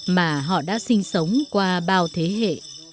và họ đã sinh sống qua bao thế hệ